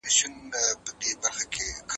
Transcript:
ذهني فشار د معلوماتو جذب کموي.